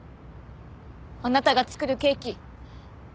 あなたが作るケーキ